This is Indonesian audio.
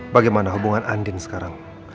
bagaimana hubungan andin sekarang